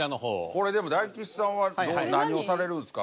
これでも大吉さんは何をされるんですか？